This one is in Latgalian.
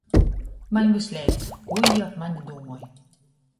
Maņ vysleidza, kū jī ap mani dūmoj.